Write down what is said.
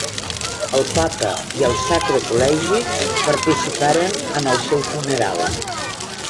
El Papa i el Sacre Col·legi participaren en el seu funeral.